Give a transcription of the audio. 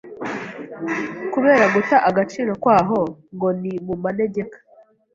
kubera guta agaciro kwaho ngo ni mumanegeka